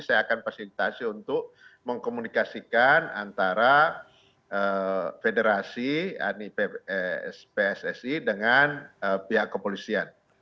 saya akan fasilitasi untuk mengkomunikasikan antara federasi pssi dengan pihak kepolisian